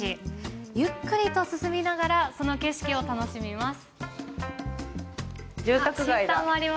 ゆっくりと進みながらその景色を楽しみます。